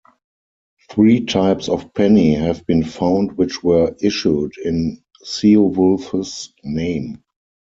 Three types of penny have been found which were issued in Ceolwulf's name.